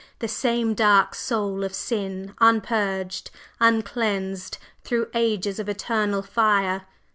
The same dark soul of sin unpurged, uncleansed through ages of eternal fire!